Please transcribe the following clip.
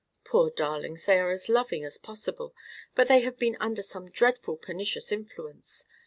Poor darlings, they are as loving as possible; but they have been under some dreadful pernicious influence.